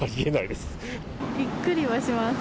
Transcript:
びっくりはします。